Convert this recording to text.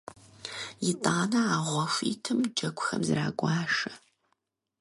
ИтӀанэ а гъуэ хуитым джэгухэм зрагуашэ.